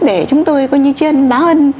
để chúng tôi coi như chiên báo ơn